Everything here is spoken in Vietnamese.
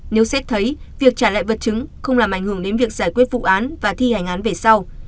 nếu xét thấy việc trả lại vật chứng không làm ảnh hưởng đến việc giải quyết vụ án và thi hành án về sau